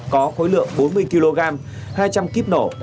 có khối lượng bốn mươi kg hai trăm linh kíp nổ